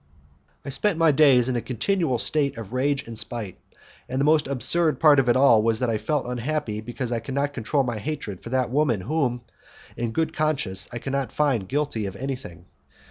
I spent my days in a continual state of rage and spite, and the most absurd part of it all was that I felt unhappy because I could not control my hatred for that woman whom, in good conscience, I could not find guilty of anything.